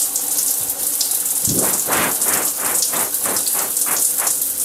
Leurs trois fils sont nés libres, puisque leur mère était elle-même libre.